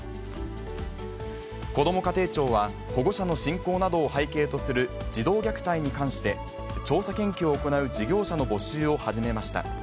こども家庭庁は、保護者の信仰などを背景とする児童虐待に関して、調査研究を行う事業者の募集を始めました。